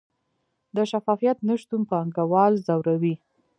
د شفافیت نشتون پانګوال ځوروي؟